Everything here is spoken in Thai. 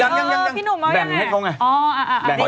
ยังพี่หนุ่มเอายังไง